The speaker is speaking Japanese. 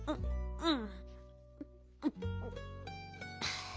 うん！